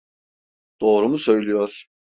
Doğru mu söylüyor?